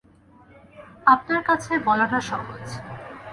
আপনার কাছে বলাটা সহজ।